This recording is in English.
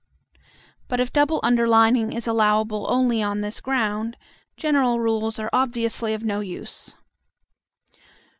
But if double underlining is allowable only on this ground, general rules are obviously of no use.